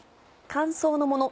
乾燥のもの